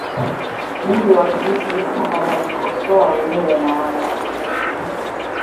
bure Waturuki wanajikosoa wenyewe na wana ucheshi